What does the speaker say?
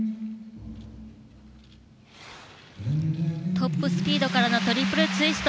トップスピードからのトリプルツイスト。